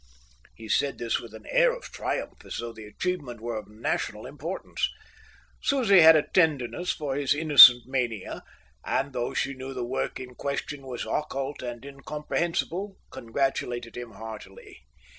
He said this with an air of triumph, as though the achievement were of national importance. Susie had a tenderness for his innocent mania; and, though she knew the work in question was occult and incomprehensible, congratulated him heartily.